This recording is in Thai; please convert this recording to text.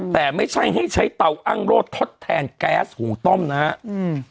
แต่ไม่ใช่ให้ใช้เตาอ้างโรดทดแทนแก๊สหุงต้มนะฮะอืม